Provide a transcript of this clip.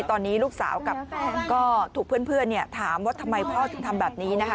ตอนนี้ลูกสาวกับก็ถูกเพื่อนถามว่าทำไมพ่อถึงทำแบบนี้นะคะ